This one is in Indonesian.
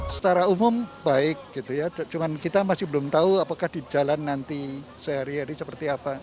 secara umum baik gitu ya cuman kita masih belum tahu apakah di jalan nanti sehari hari seperti apa